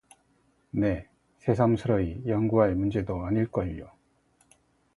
네, 새삼스러이 연구할 문제도 아닐 걸요.